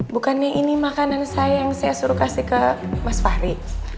bukannya ini makanan saya yang saya suruh kasih ke mas fahri